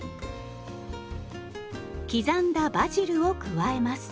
刻んだバジルを加えます。